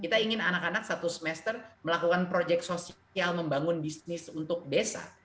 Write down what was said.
kita ingin anak anak satu semester melakukan proyek sosial membangun bisnis untuk desa